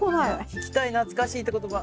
聞きたい「懐かしい」って言葉。